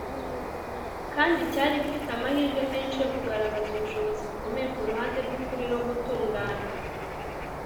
kandi cyari gifite amahirwe menshi yo kugaragaza ubushobozi bukomeye ku ruhande rw'ukuri no gutungana